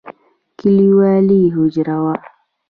کليوالي حجره وه.